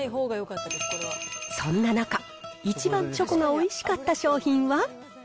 そんな中、一番チョコがおいしかった商品は。